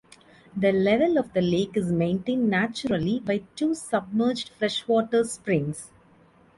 The level of the lake is maintained naturally by two submerged freshwater springs.